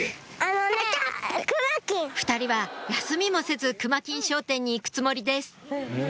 ２人は休みもせずくま金商店に行くつもりです